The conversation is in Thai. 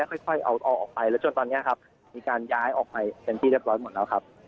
ค่อยเอาออกไปแล้วจนตอนนี้ครับมีการย้ายออกไปเป็นที่เรียบร้อยหมดแล้วครับ